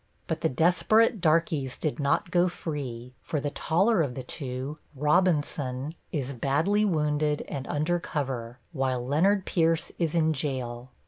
But the desperate darkies did not go free, for the taller of the two, Robinson, is badly wounded and under cover, while Leonard Pierce is in jail.